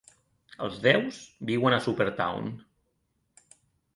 Els déus viuen a Supertown.